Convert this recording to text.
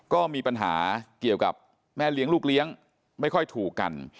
ก็มีปัญหาเกี่ยวกับแม่เลี้ยงลูกเลี้ยงไม่ค่อยถูกกัน